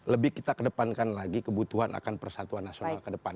lebih kita kedepankan lagi kebutuhan akan persatuan nasional kedepan